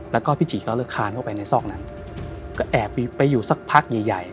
แล้วก็พี่จีก็เลยคานเข้าไปในซอกนั้นก็แอบไปอยู่สักพักใหญ่ใหญ่